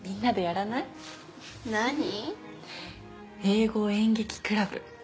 英語演劇クラブ。